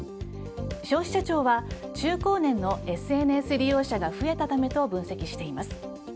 消費者庁は中高年のＳＮＳ利用者が増えたためと分析しています。